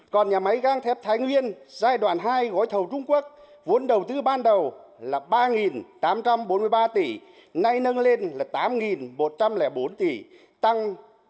còn nhà máy găng thép thái nguyên giai đoạn hai gói thầu trung quốc vốn đầu tư ban đầu là ba tám trăm bốn mươi ba tỷ nay nâng lên là tám một trăm linh bốn tỷ tăng bốn hai trăm năm mươi